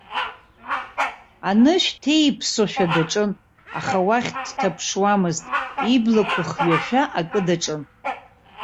Анышә ҭеиԥсошәа даҿын, аха уахь дҭаԥшуамызт, иблақәа хҩашәа акы даҿын.